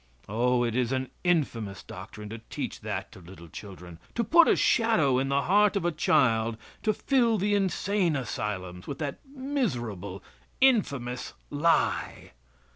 Oh it is an infamous doctrine to teach that to little children, to put a shadow in the heart of a child to fill the insane asylums with that miserable, infamous lie.